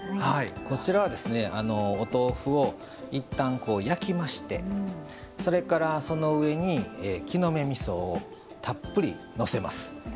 こちらは、お豆腐をいったん焼きましてそれから、その上に「木の芽みそ」をたっぷり、のせます。